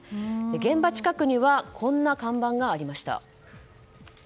現場近くにはこんな看板がありました。